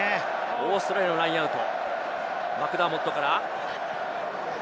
オーストラリアのラインアウト。